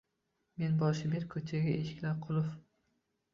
Men boshi berk ko’chadagi eshiklari qulf